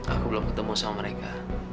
aku belum bertemu mereka